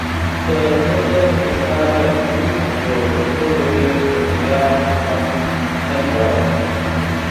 که ښځه هوښیاره نه وی نو بچو به ېې په دنیا حکومت نه کوه